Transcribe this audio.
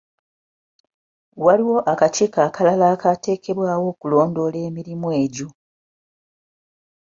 Waliwo akakiiko akalala ateekebwawo okulondoola emirimu egyo.